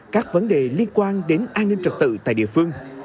các vấn đề liên quan đến an ninh trật tự tại địa phương